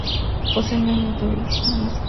Posee una neurotoxina más potente que el cianuro.